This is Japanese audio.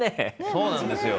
そうなんですよ。